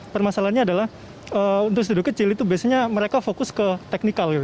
permasalahannya adalah untuk studio kecil itu biasanya mereka fokus ke teknikal gitu